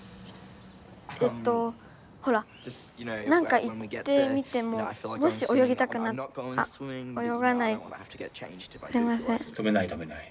えっとほらなんか行ってみてももしおよぎたくなっあおよがない。